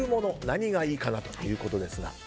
何がいいかなということですが。